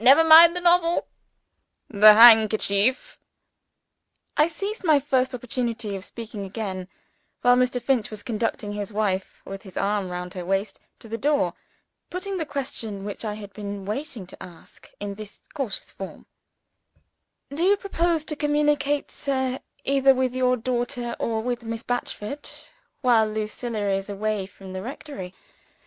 Never mind the novel the handkerchief." I seized my first opportunity of speaking again, while Mr. Finch was conducting his wife (with his arm round her waist) to the door putting the question which I had been waiting to ask, in this cautious form: "Do you propose to communicate, sir, either with your daughter or with Miss Batchford, while Lucilla is away from the rectory?